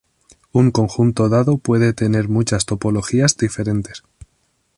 Un conjunto dado puede tener muchas topologías diferentes.